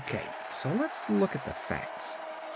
K., so let's look at the facts.